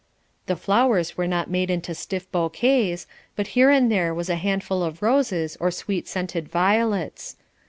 The flowers were not made into stiff bouquets, but here and there was a handful of roses or sweet scented violets.